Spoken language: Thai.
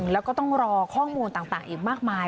แล้วก็ต้องรอข้อมูลต่างอีกมากมาย